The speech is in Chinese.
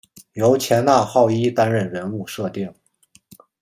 由前纳浩一担任人物设定。